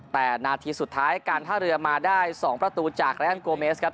แต่นาทีสุดท้ายการท่าเรือมาได้๒ประตูจากแรงอันโกเมสครับ